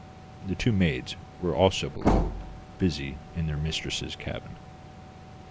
The two maids were also below, busy in their mistress's cabin.